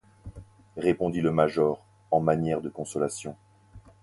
répondit le major, en manière de consolation.